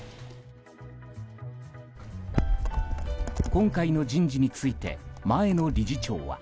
今回の人事について前の理事長は。